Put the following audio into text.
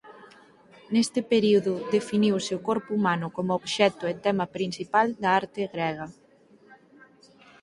Neste período definiuse o corpo humano como obxecto e tema principal da arte grega.